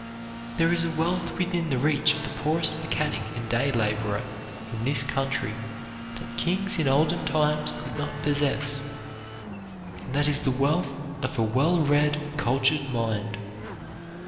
There is a wealth within the reach of the poorest mechanic and day laborer in this country that kings in olden times could not possess, and that is the wealth of a well read, cultured mind.